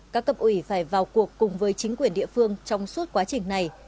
các cấp ủy phải vào cuộc cùng với chính quyền địa phương trong suốt quá trình này